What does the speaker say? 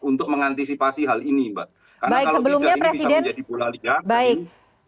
untuk mengantisipasi hal ini mbak